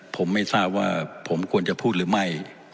ผมไม่ทราบว่าผมควรจะพูดหรือไม่